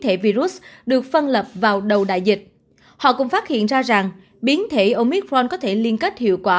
trong các biến thể virus được phân lập vào đầu đại dịch họ cũng phát hiện ra rằng biến thể omicron có thể liên kết hiệu quả